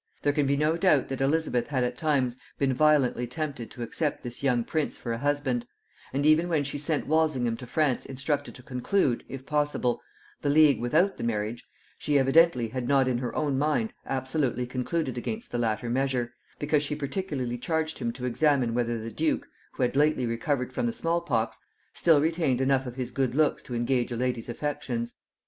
There can be no doubt that Elizabeth had at times been violently tempted to accept this young prince for a husband; and even when she sent Walsingham to France instructed to conclude, if possible, the league without the marriage, she evidently had not in her own mind absolutely concluded against the latter measure, because she particularly charged him to examine whether the duke, who had lately recovered from the small pox, still retained enough of his good looks to engage a lady's affections.